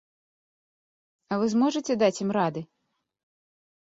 А вы зможаце даць ім рады?